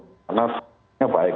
karena sepertinya baik